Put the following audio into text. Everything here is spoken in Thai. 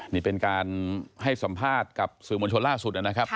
นี่เป็นการให้สัมภาษณ์กับสื่อมวลชนล่าสุดนะครับ